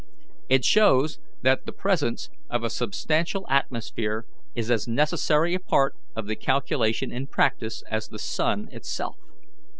It shows that the presence of a substantial atmosphere is as necessary a part of the calculation in practice as the sun itself.